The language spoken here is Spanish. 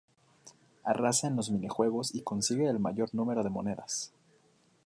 Arrasa en los minijuegos y consigue el mayor número de monedas.